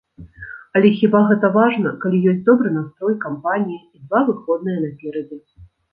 Але хіба гэта важна, калі ёсць добры настрой, кампанія і два выходныя наперадзе?!